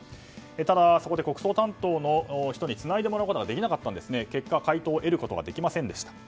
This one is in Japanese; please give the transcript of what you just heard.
ただ、そこで国葬担当の人につないでもらうことができずに結果、回答を得ることができませんでした。